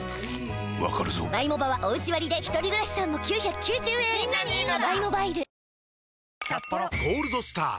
わかるぞ「ゴールドスター」！